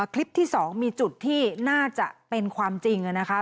คลิปที่๒มีจุดที่น่าจะเป็นความจริงนะคะ